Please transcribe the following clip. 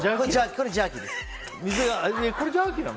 これジャーキー名の？